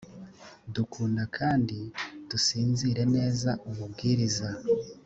dukunda kandi dusinzire neza umubwiriza